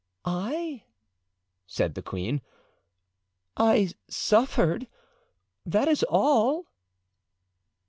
"I!" said the queen. "I suffered, that is all."